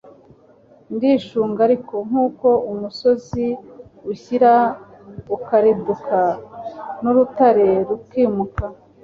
ndishunga ariko: nk'uko umusozi ushyira ukariduka, n'urutare rukimuka